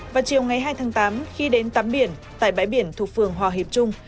vào chiều ngày hai tháng tám khi đến tắm biển tại bãi biển thuộc phường hòa hiệp trung